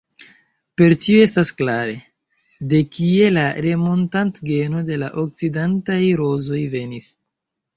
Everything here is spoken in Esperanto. Per tio estas klare, de kie la Remontant-geno de la okcidentaj rozoj venis.